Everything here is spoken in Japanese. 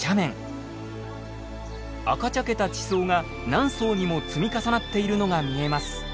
赤茶けた地層が何層にも積み重なっているのが見えます。